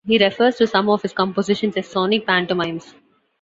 He refers to some of his compositions as "sonic pantomimes".